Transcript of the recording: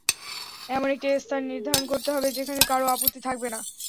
এমন একটি স্থান নির্ধারণ করতে হবে, যেখানে কারও আপত্তি থাকবে না।